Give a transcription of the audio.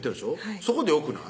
そこでよくない？